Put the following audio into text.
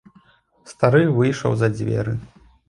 Стары выйшаў за дзверы.